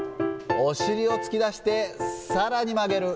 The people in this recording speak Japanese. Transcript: お尻を突き出して、さらに曲げる。